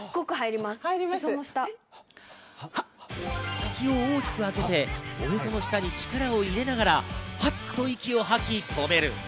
口を大きく開けて、おへその下に力を入れながら、ハッと息を吐き止める。